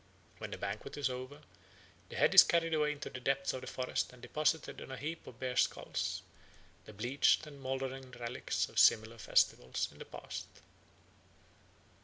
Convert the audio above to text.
When the banquet is over, the head is carried away into the depth of the forest and deposited on a heap of bears' skulls, the bleached and mouldering relics of similar festivals in the past.